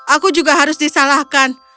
aku juga harus disalahkan